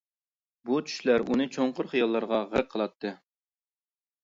بۇ چۈشلەر ئۇنى چوڭقۇر خىياللارغا غەرق قىلاتتى.